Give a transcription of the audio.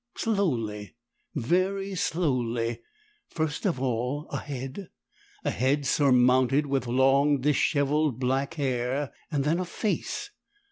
Slowly, very slowly, first of all a head, a head surmounted with long dishevelled black hair, then a FACE!